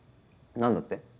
何だって？